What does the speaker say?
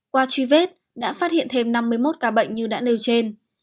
qua truy vết đã phát hiện thêm năm mươi một ca bệnh như đã nêu trên